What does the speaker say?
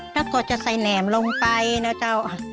แล้วก็จะใส่แหนมลงไปนะเจ้า